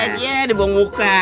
itu siapa orang tua